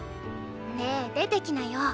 ねえ出てきなよ。